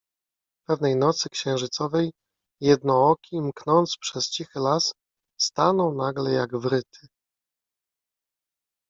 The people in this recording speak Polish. Pewnej nocy księżycowej Jednooki, mknąc przez cichy las - stanął nagle jak wryty.